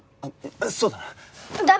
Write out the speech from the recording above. あっそうだな。